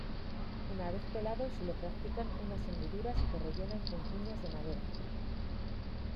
Una vez pelado se le practican unas hendiduras que rellenan con cuñas de madera.